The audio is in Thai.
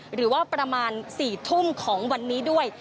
หรือว่าประมาณ๔ทุ่มของวันนี้ด้วย